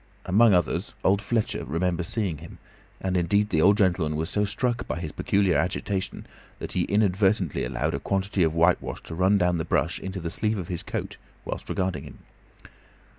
Among others old Fletcher remembers seeing him, and indeed the old gentleman was so struck by his peculiar agitation that he inadvertently allowed a quantity of whitewash to run down the brush into the sleeve of his coat while regarding him.